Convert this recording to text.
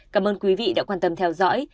cảm ơn quý vị đã quan tâm theo dõi